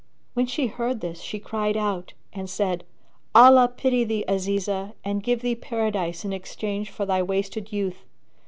When she heard this, she cried out and said, "Allah pity thee, Azizah, and give thee Paradise in exchange for thy wasted youth!